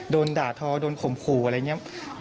โดนด่าทอโดนข่มขู่อะไรอย่างนี้